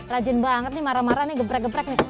rajin banget nih marah marah nih geprek geprek nih